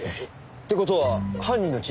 って事は犯人の血？